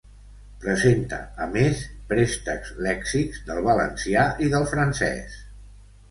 Presenta a més préstecs lèxics del valencià i del francès.